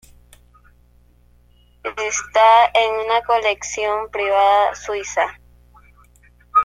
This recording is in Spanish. Está en una colección privada suiza.